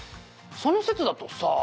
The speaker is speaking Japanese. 「その説だとさ